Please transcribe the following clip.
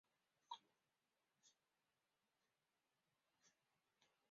中国植物学家。